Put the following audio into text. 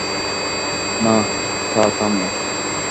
না, থা-থামো।